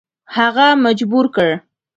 هغه مجبور کړ.